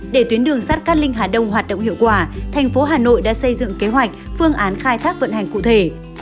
để tuyến đường sát cát linh hà đông hoạt động hiệu quả thành phố hà nội đã xây dựng kế hoạch phương án khai thác vận hành cụ thể